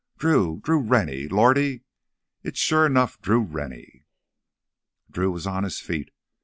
"Drew—Drew Rennie! Lordy, it's sure enough Drew Rennie!" Drew was on his feet.